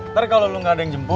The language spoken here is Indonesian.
ntar kalau lo gak ada yang jemput